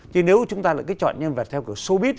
chứ nếu chúng ta lại chọn nhân vật theo kiểu showbiz